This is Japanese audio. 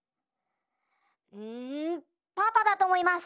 うんパパだとおもいます！